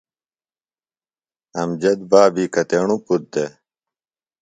امجد بابی کتیݨوۡ پُتر دےۡ؟